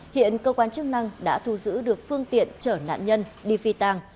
hiện cơ quan chức năng đã thu giữ được phương tiện chở nạn nhân đi phi tàng